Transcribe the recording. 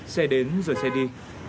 xe đến rồi xe đi